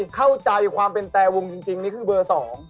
เข้าใจความเป็นแตรวงจริงนี่คือเบอร์๒